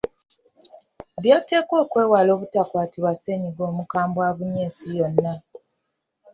By’oteekwa okwewala obutakwatibwa ssennyiga omukambwe abunye ensi yonna.